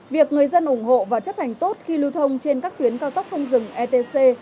việc người dân ủng hộ và chấp hành tốt khi lưu thông trên các tuyến cao tốc không dừng etc